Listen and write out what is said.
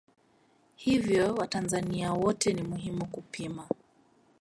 Hivyo watanzania wote ni muhimu kupima